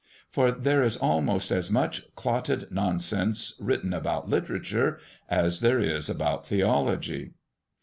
For there is almost as much clotted nonsense written about literature as there is about theology.